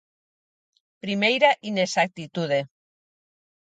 Primeira inexactitude.